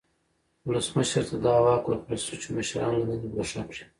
ولسمشر ته دا واک ورکړل شو چې مشران له دندې ګوښه کړي.